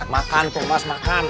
makan tuh mas makan